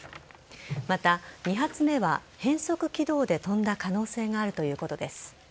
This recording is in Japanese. また、２発目は変則軌道で飛んだ可能性があるということです。